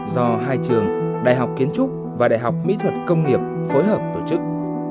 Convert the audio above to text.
do hai trường đại học kiến trúc và đại học mỹ thuật công nghiệp phối hợp tổ chức